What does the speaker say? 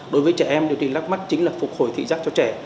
đối với trẻ em điều trị lắc mắt chính là phục hồi thị giác cho trẻ